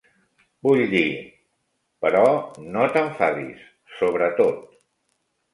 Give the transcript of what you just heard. Vull dir... però no t'enfadis, sobre tot...